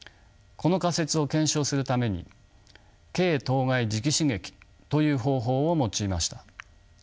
この仮説を検証するために経頭蓋磁気刺激という方法を用いました。